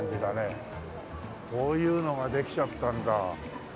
こういうのができちゃったんだ。